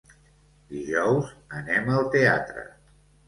Dijous anem al teatre.